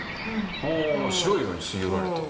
ああ白い色に吸い寄られて。